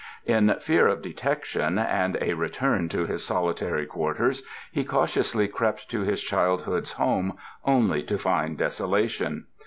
In fear of detection, and a return to his solitary quarters, he cautiously crept to his childhoodŌĆÖs home only to find desolation.